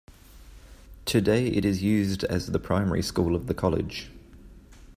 Today it is used as the Primary School of the College.